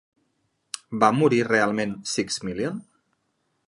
Va morir realment Six Million?